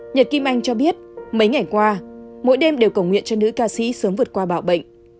nhật kim anh cho biết mấy ngày qua mỗi đêm đều cầu nguyện cho nữ ca sĩ sớm vượt qua bạo bệnh